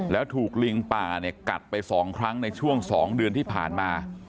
แล้วถูกลิงป่าเนี่ยกัดไป๒ครั้งในช่วง๒เดือนที่ผ่านมา